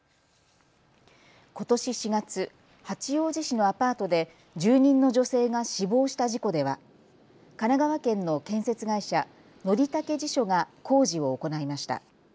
ことし４月、八王子市のアパートで住人の女性が死亡した事故では神奈川県の建設会社、則武地所が工事を行いました。